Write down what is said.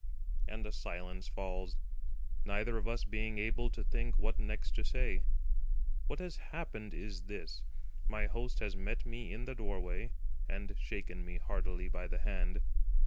And a silence falls, neither of us being able to think what next to say. What has happened is this: My host has met me in the doorway, and shaken me heartily by the hand.